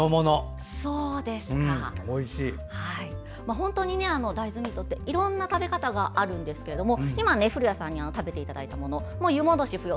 本当に大豆ミートっていろんな食べ方があるんですけど今、古谷さんに食べていただいたものは湯戻し不要。